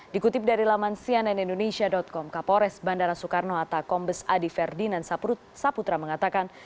dikutip dari laman cnnindonesia com kapolres bandara soekarno hatta kombes adi ferdinand saputra mengatakan